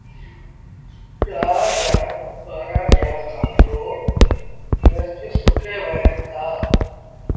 ڏآه جآݩ ٻآهرآݩ ڏيݩهآݩ کآݩ پو مرچ سُڪي وهيݩ دآ